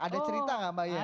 ada cerita gak mbak ian